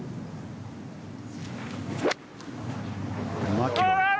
マキロイ。